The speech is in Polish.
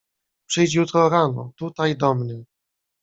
"Przyjdź jutro rano tutaj do mnie."